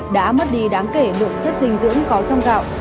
đã mất đi đáng kể lượng chất dinh dưỡng có trong gạo